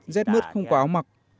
rét mứt không có áo mặc